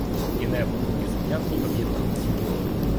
І небо, і земля в ній об'єдналися.